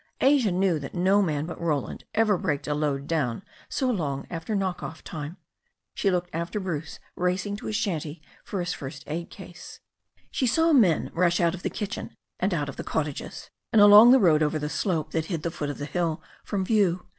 Asia knew that no man but Roland ever braked a load down so long after knock off time. She looked after Bruce racing to his shanty for his first aid case. She saw men rush out of the kitchen and out of the cottages, and along the road over the slope that hid the foot of the hill from view.